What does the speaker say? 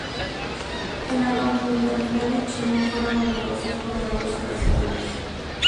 En la continentalidad de China, fueron numerosos los daños ocasionados.